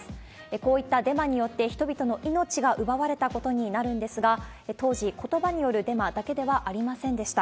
こういったデマによって、人々の命が奪われたことになるんですが、当時、ことばによるデマだけではありませんでした。